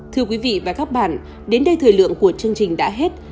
thưa quý vị và các bạn đến đây thời lượng của chương trình đã hết